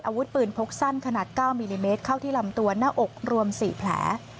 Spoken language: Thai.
อาวุธปืนพกสั้นขนาด๙มิลลิเมตรเข้าที่ลำตัวหน้าอกรวม๔แผล